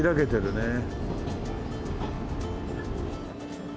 ねえ。